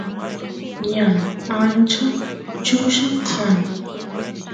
ñan ancha chulla kan